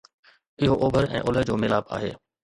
اهو اوڀر ۽ اولهه جو ميلاپ آهي